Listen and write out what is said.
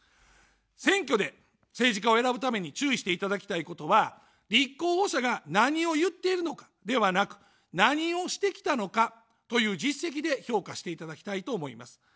選挙で政治家を選ぶために注意していただきたいことは、立候補者が何を言っているのかではなく、何をしてきたのかという実績で評価していただきたいと思います。